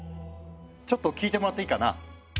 ちょっと聞いてもらっていいかな？